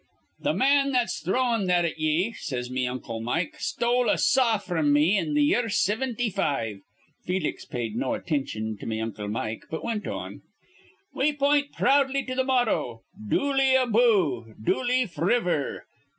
'Th' man that's throwin' that at ye,' says me uncle Mike, 'stole a saw fr'm me in th' year sivinty five.' Felix paid no attintion to me uncle Mike, but wint on, 'We point proudly to th' motto, "Dooley aboo Dooley f'river."'